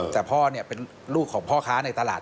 แต่พ่อเป็นลูกของพ่อค้าในตลาด